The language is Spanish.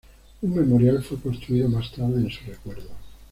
Un memorial fue construido más tarde en su recuerdo.